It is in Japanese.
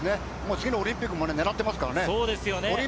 次のオリンピックも狙ってますからね。